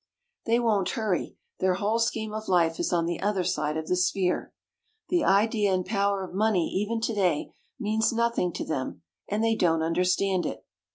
They won't hurry — their whole scheme of life is on the other side of the sphere. The idea and power of money even today means nothing to them and they don't understand it.